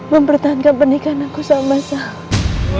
mempertahankan pernikahan aku sama saya